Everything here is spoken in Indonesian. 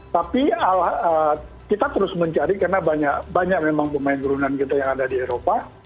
tapi kita terus mencari karena banyak memang pemain turunan kita yang ada di eropa